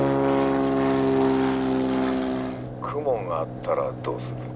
雲があったらどうする？